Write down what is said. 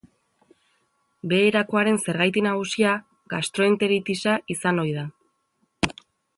Beherakoaren zergati nagusia gastroenteritisa izan ohi da.